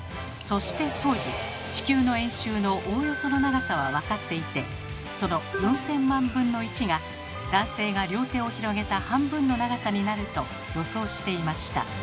そして当時地球の円周のおおよその長さは分かっていてその４，０００万分の１が男性が両手を広げた半分の長さになると予想していました。